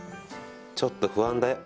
ちょっと不安だよ。